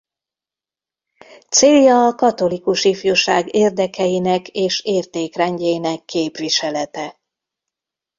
Célja a katolikus ifjúság érdekeinek és értékrendjének képviselete.